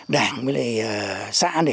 đảng với lại xã để